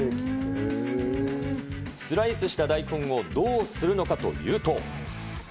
スライスした大根をどうするのかというと。